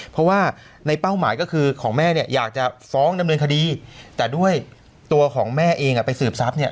เพราะว่าในเป้าหมายก็คือของแม่เนี่ยอยากจะฟ้องดำเนินคดีแต่ด้วยตัวของแม่เองอ่ะไปสืบทรัพย์เนี่ย